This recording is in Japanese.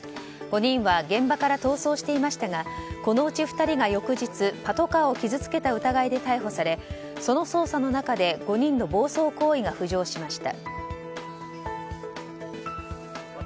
５人は現場から逃走していましたがこのうち２人が翌日パトカーを傷つけた疑いで逮捕されその捜査の中で５人の暴走行為が浮上しました。